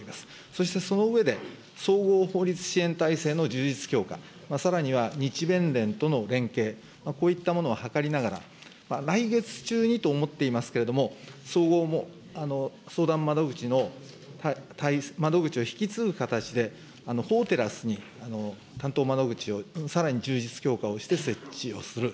そしてその上で、総合法律支援体制の充実強化、さらには日弁連との連携、こういったものを図りながら、来月中にと思っていますけれども、総合相談窓口も、窓口を引き継ぐ形で、法テラスに担当窓口をさらに充実強化をして設置をする。